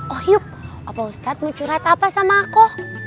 oh yuk opa ustad mau curhat apa sama aku